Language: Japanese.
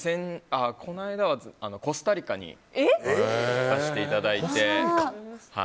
この間はコスタリカに行かせていただいて。